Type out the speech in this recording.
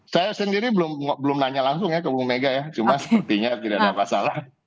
saya sendiri belum nanya langsung ya ke bu mega ya cuma sepertinya tidak ada masalah